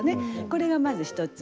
これがまず一つ。